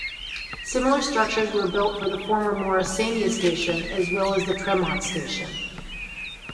Similar structures were built for the former Morrisania Station, as well as Tremont Station.